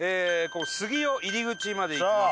杉尾入口まで行きます。